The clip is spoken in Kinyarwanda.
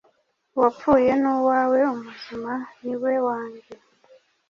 uwapfuye ni uwawe umuzima ni we wanjye